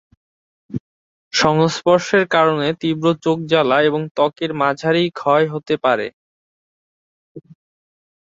সংস্পর্শের কারণে তীব্র চোখ জ্বালা এবং ত্বকের মাঝারি ক্ষয় হতে পারে।